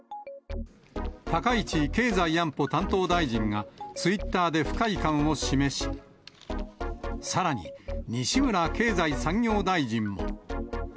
高市経済安保担当大臣がツイッターで不快感を示し、さらに、西村経済産業大臣も。